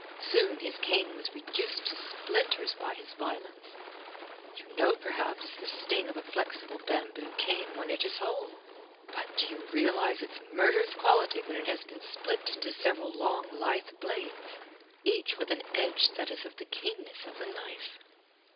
Soon his cane was reduced, to splinters by his violence. You know, perhaps, the sting of a flexible bamboo cane when it is whole. But do you realize its murderous quality when it has been split into several long lithe blades, each with an edge that is of the keenness of a knife?